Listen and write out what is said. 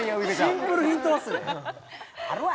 シンプルヒント忘れ「あるわ！」